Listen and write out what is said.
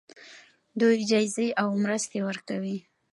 دوی جایزې او مرستې ورکوي.